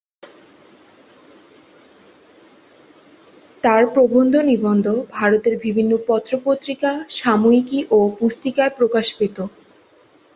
তার প্রবন্ধ-নিবন্ধ ভারতের বিভিন্ন পত্র-পত্রিকা, সাময়িকী ও পুস্তিকায় প্রকাশ পেত।